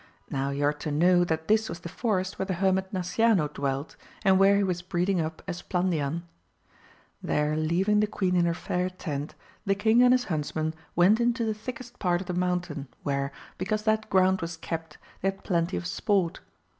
Now you are to know that this was the forest where the hermit Nasciano dwelt, and where he was breeding up Esplandian. There leaving the queen in her fair tent, the king and his huntsmen went into the thickest part of the mountain, where, because that ground was kept, they had plenty of sport.